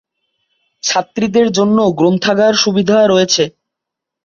ছাত্রীদের জন্য গ্রন্থাগার সুবিধা রয়েছে।